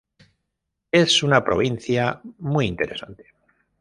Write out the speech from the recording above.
Es una provincia muy interesante.